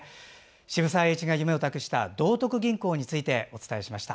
渋沢栄一が夢を託した道徳銀行についてお伝えしました。